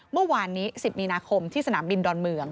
เมื่อวานนี้๑๐มีนาคมที่สนามบินดอนเมือง